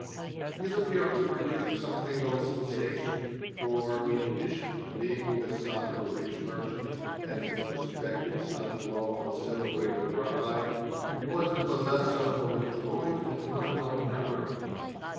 His appearance produced something of a sensation, for, in addition to being the son of a rich merchant and the prospective son in law of a celebrated rabbi, he was the possessor of a truly phenomenal memory.